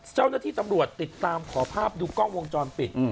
เจ้าหน้าที่ตำรวจติดตามขอภาพดูกล้องวงจรปิด